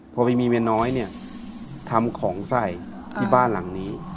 พอไปมีเมียน้อยเนี่ยทำของใส่ที่บ้านหลังนี้